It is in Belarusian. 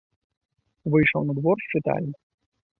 Выйшаў на двор з чытальні.